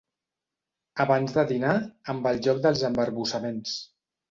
Abans de dinar, amb el joc dels embarbussaments.